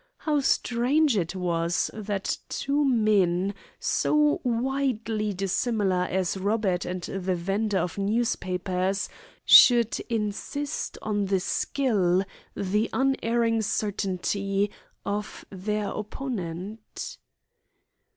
How strange it was that two men, so widely dissimilar as Robert and the vendor of newspapers, should insist on the skill, the unerring certainty, of their opponent.